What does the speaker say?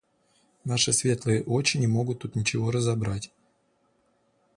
– Наши светлые очи не могут тут ничего разобрать.